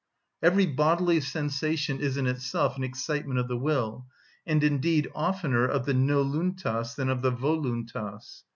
Every bodily sensation is in itself an excitement of the will, and indeed oftener of the noluntas than of the voluntas.